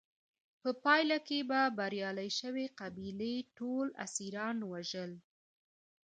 په پایله کې به بریالۍ شوې قبیلې ټول اسیران وژل.